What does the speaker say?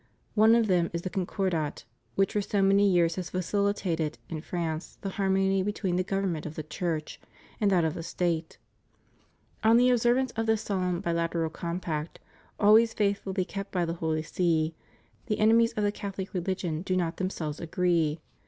... One of them is the Concordat, which for so many years has facilitated in France the harmony between the government of the Church and that of the State. On the observance of this solemn, bi lateral compact, always faithfully kept by the Holy See, the enemies of the Catholic religion do not themselves agree. .